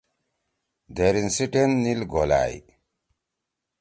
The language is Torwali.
دھیرین سی ٹین نیل گُھولیاء؟